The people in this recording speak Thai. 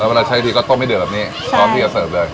แล้วเวลาใช้ที่ก็ต้มให้เดิมพร้อมที่จะเสิร์ฟเลย